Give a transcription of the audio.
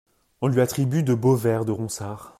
On lui attribue de beaux vers de Ronsard.